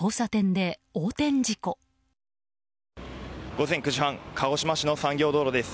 午前９時半鹿児島市の産業道路です。